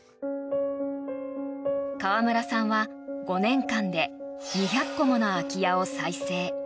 川村さんは５年間で２００戸もの空き家を再生。